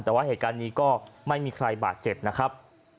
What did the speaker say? แต่ว่าเหตุการณ์นี้ก็ไม่มีใครบาดเจ็บนะครับ